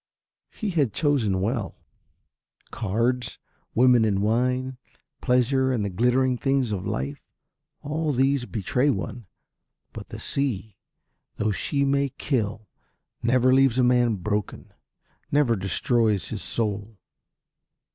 He had chosen well. Cards, women and wine, pleasure and the glittering things of life, all these betray one, but the sea, though she may kill, never leaves a man broken, never destroys his soul.